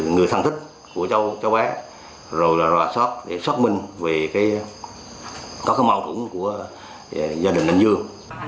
người thân thích của châu bán rồi là ra sốt để sốt minh về cái có cái mâu tủng của gia đình nguyễn dương